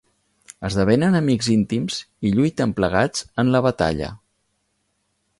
Esdevenen amics íntims i lluiten plegats en la batalla.